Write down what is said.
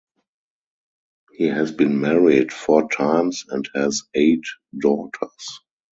He has been married four times and has eight daughters.